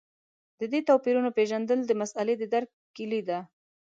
د دې توپیرونو پېژندل د مسألې د درک کیلي ده.